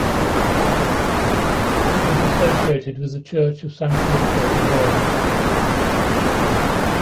He is associated with the church of San Callisto in Rome.